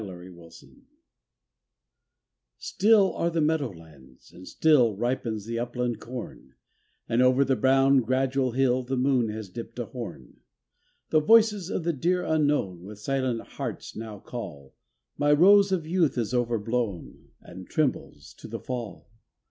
IN SEPTEMBER Still are the meadowlands, and still Ripens the upland com, And over the brown gradual hill The moon has dipped a horn. The voices of the dear unknown With silent hearts now call, My rose of youth is overblown And trembles to the fall.